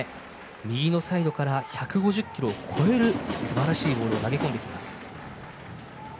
右のサイドから１５０キロを超えるすばらしいボールを投げ込んできます。